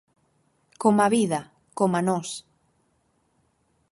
Coma a vida, coma nós.